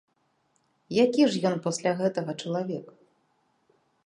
Які ж ён пасля гэтага чалавек?